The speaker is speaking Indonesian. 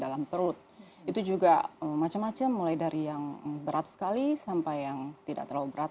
dalam perut itu juga macam macam mulai dari yang berat sekali sampai yang tidak terlalu berat